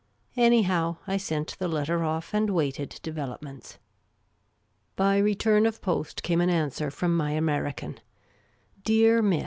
Anyhow I .sent the letter off, and waited de velopments. By return of post came an answer from my American: •'Dkar Mi.